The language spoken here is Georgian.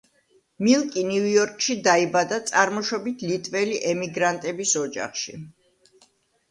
მილკი ნიუ-იორკში დაიბადა წარმოშობით ლიტველი ემიგრანტების ოჯახში.